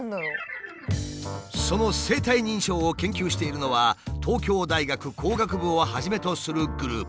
その生体認証を研究しているのは東京大学工学部をはじめとするグループ。